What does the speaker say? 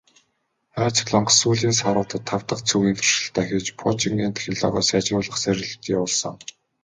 Хойд Солонгос сүүлийн саруудад тав дахь цөмийн туршилтаа хийж, пуужингийн технологио сайжруулах сорилт явуулсан.